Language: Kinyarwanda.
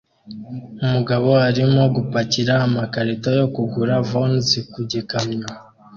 Umugabo arimo gupakira amakarito yo kugura Vons ku gikamyo